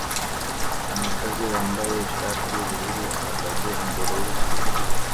Umukozi wambaye ishati yubururu ahagaze imbere yubucuruzi